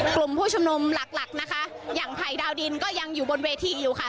กลุ่มผู้ชุมนุมหลักหลักนะคะอย่างภัยดาวดินก็ยังอยู่บนเวทีอยู่ค่ะ